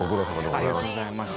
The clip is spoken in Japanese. ありがとうございます。